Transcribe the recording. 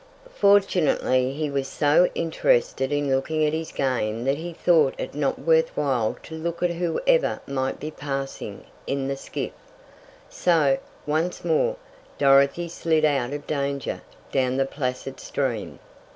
Fortunately, he was so interested in looking at his game that he thought it not worth while to look at whoever might be passing in the skiff; so, once more, Dorothy slid out of danger down the placid stream.